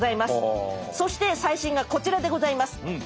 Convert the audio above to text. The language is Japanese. そして最新がこちらでございます。